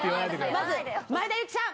まず前田有嬉さん！